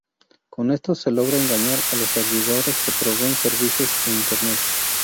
Con esto se logra engañar a los servidores que proveen servicios en Internet.